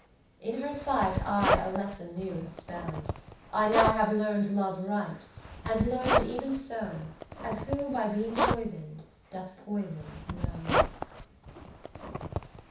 In her sight I a lesson new have spell'd, I now hav learn'd Love right, and learn'd even so, As who by being poisoned doth poison know.